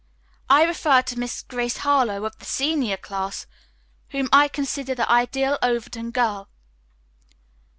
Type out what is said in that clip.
I refer to Miss Grace Harlowe, of the senior class, whom I consider the ideal Overton girl."